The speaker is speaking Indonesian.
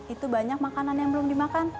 itu banyak makanan yang belum dimakan